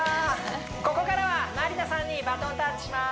ここからはまりなさんにバトンタッチします